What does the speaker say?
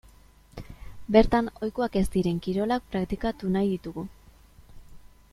Bertan ohikoak ez diren kirolak praktikatu nahi ditugu.